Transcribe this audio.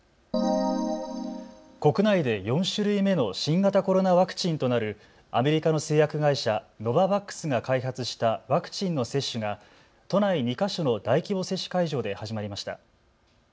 国内で４種類目の新型コロナワクチンとなるアメリカの製薬会社、ノババックスが開発したワクチンの接種が都内２か所の大規模接種会場で始まりました。